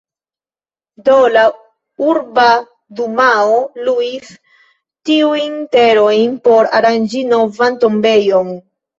Do la Urba Dumao luis tiujn terojn por aranĝi novan tombejon.